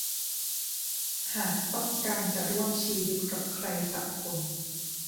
หากต้องการจะร่วมชีวิตกับใครสักคน